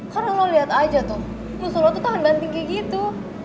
karena lo liat aja tuh musuh lo tuh tangan ganti kayak gitu